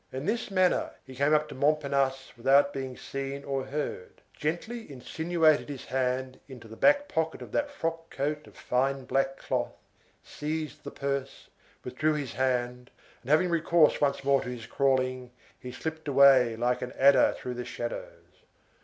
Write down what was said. In this manner he came up to Montparnasse without being seen or heard, gently insinuated his hand into the back pocket of that frock coat of fine black cloth, seized the purse, withdrew his hand, and having recourse once more to his crawling, he slipped away like an adder through the shadows.